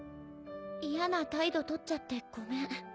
嫌な態度とっちゃってごめん。